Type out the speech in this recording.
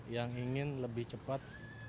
yang ingin lebih cepat